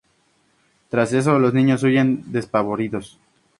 Tras eso los niños huyen despavoridos.